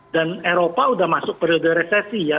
dan eropa sudah masuk periode resesi ya